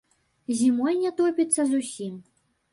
Зімой не топіцца зусім.